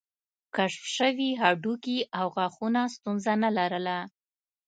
کشف شوي هډوکي او غاښونه ستونزه نه لرله.